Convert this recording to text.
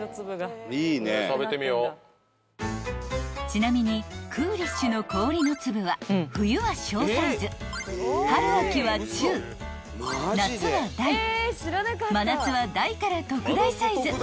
［ちなみにクーリッシュの氷の粒は冬は小サイズ春秋は中夏は大真夏は大から特大サイズ］